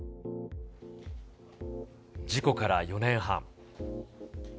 事故から４年半。